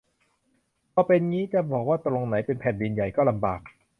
พอเป็นงี้ จะบอกว่าตรงไหนเป็น "แผ่นดินใหญ่" ก็ลำบาก